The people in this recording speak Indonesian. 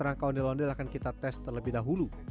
rangka ondel ondel akan kita tes terlebih dahulu